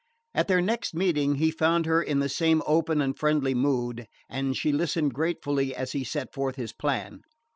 At their next meeting he found her in the same open and friendly mood, and she listened gratefully as he set forth his plan.